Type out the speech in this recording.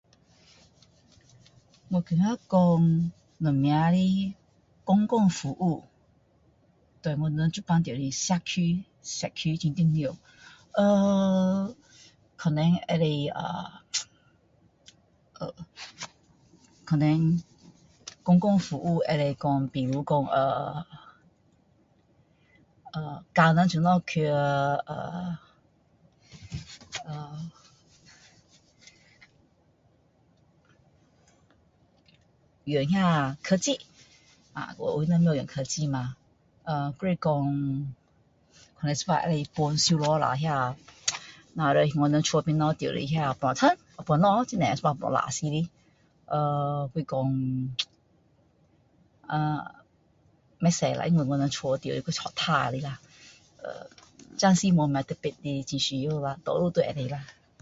我觉得说什么的公共服务对我们现在住的社区很重要呃可能可以呃可能公共服务可以比如说呃教我们怎样去呃用那个科技有些人不会用科技吗呃还是说可能有时候可以帮忙收拾一下那我们门外很多垃圾有时候很肮脏呃还是说啊不多啦因为我们家住的还是蛮干净的啦暂时没有什么很特别的需要啦多数都可以啦